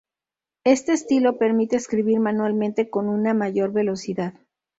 Este estilo permite escribir manualmente con una mayor velocidad.